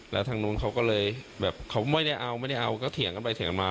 แล้วทางนู้นเขาก็เลยแบบเขาไม่ได้เอาไม่ได้เอาก็เถียงกันไปเถียงกันมา